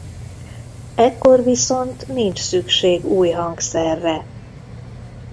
Ekkor viszont nincs szükség új hangszerre.